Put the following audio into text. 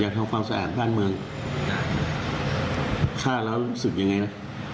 ทำความสะอาดบ้านเมืองฆ่าแล้วรู้สึกยังไงนะ